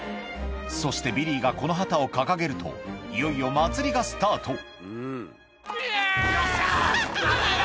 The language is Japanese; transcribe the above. そしてビリーがこの旗を掲げるといよいよ祭りがスタートイエイ！